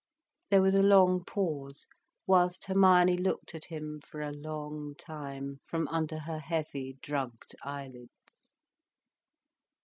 There was a long pause, whilst Hermione looked at him for a long time, from under her heavy, drugged eyelids.